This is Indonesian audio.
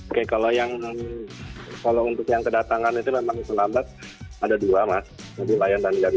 oke kalau untuk yang kedatangan itu memang terlambat ada dua mas lion dan geruda